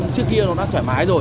trước kia nó đã thoải mái rồi